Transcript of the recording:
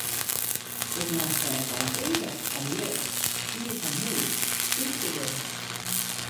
Ik moast der net oan tinke om hjir, fier fan hús, siik te wurden.